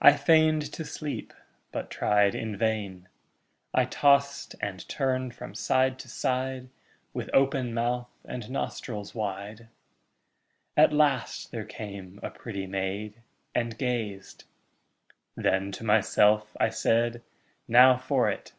I feign'd to sleep, but tried in vain. I tost and turn'd from side to side, With open mouth and nostrils wide. At last there came a pretty maid, And gazed; then to myself I said, 'Now for it!'